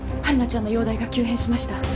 晴汝ちゃんの容体が急変しました。